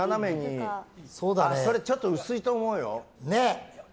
それ、ちょっと薄いと思うよ。